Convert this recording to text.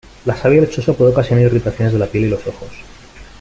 La savia lechosa puede ocasionar irritaciones de la piel y los ojos.